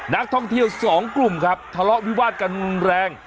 นักท่องเที่ยวสองกลุ่มครับทะเลาะวิวาดกันแรง